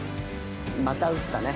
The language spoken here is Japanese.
「また打った」ね。